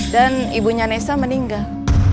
dan ibunya nessa meninggal